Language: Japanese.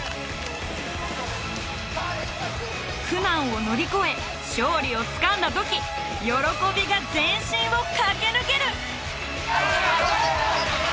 苦難を乗り越え勝利をつかんだ時喜びが全身を駆け抜ける！